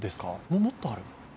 もっとある？